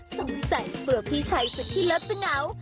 สงสัยเกลือพี่ชัยสักทีแล้วจะเหงา